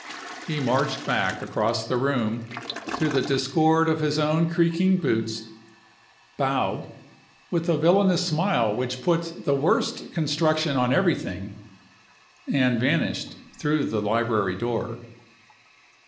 He marched back across the room, to the discord of his own creaking boots, bowed, with a villainous smile which put the worst construction on everything, and vanished through the library door.